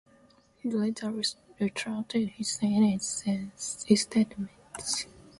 He later retracted his statement.